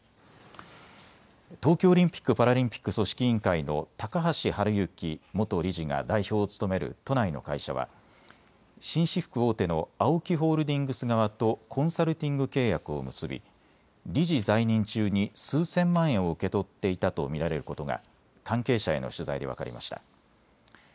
東京オリンピック・パラリンピック組織委員会の高橋治之元理事が代表を務める都内の会社は紳士服大手のＡＯＫＩホールディングス側とコンサルティング契約を結び理事在任中に数千万円を受け取っていたと見られることが関係者への取材で分かりました。